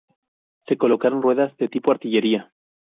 Se colocaron ruedas de tipo artillería.